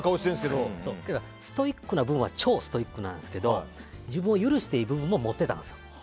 ストイックな部分は超ストイックなんですけど自分を許す部分も持ってたんですよ。